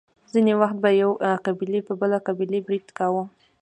ځینې وخت به یوې قبیلې په بله قبیله برید کاوه.